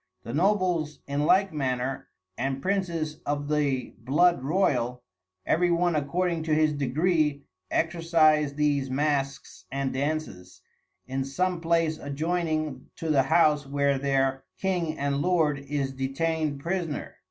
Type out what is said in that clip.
The Nobles in like manner, and Princes of the Blood Royal every one according to his degree exercise these Masques and Dances, in some place adjoyning to the House where their King and Lord is detained Prisoner.